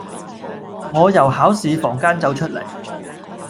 我由考試房間走出嚟